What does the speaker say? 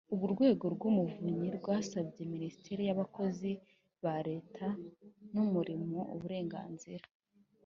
Urwego rw Umuvunyi rwasabye Minisiteri y Abakozi ba Leta n Umurimo uburenganzira